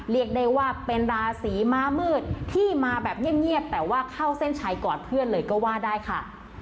เรียกได้ว่าเป็นราศีม้ามืดที่มาแบบเงียบแต่ว่าเข้าเส้นชัยก่อนเพื่อนเลยก็ว่าได้ค่ะ